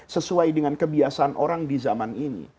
sesuai dengan kebiasaan orang di zaman ini